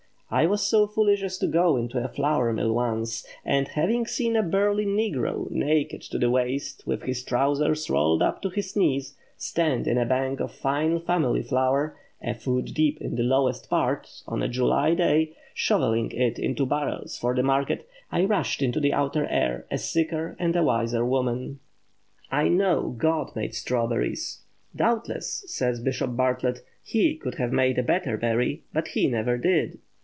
I was so foolish as to go into a flour mill once, and having seen a burly negro, naked to the waist, with his trousers rolled up to his knees, stand in a bank of "fine family flour," a foot deep in the lowest part, on a July day, shovelling it into barrels for the market, I rushed into the outer air a sicker and a wiser woman. I know GOD made strawberries. "Doubtless," says Bishop Butler, "HE could have made a better berry, but HE never did!"